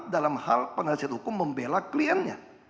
dalam hal penasihat hukum membela kliennya